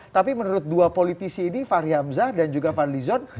tapi menurut dua politisi ini fahri hamzah dan juga fadli zon